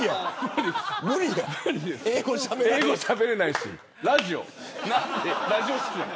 英語しゃべれないし。